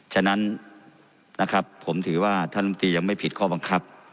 ฉะนั้นนะครับผมถือว่าท่านลมตรียังไม่ผิดข้อบังคับ